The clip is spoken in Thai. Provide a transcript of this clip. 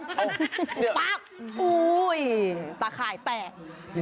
ปั๊บโอ้โฮตาข่ายแตก